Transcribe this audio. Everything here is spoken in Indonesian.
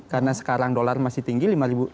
karena sekarang dolar masih tinggi lima belas dua ratus